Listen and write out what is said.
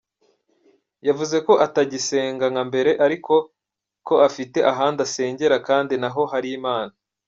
Yavuze ko atagisenga nka mbere ariko ko afite ahandi asengera kandi naho hari Imana.